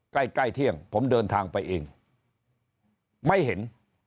ใกล้ใกล้เที่ยงผมเดินทางไปเองไม่เห็น